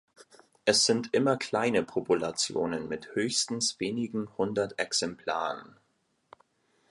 Es sind immer kleine Populationen mit höchstens wenigen hundert Exemplaren.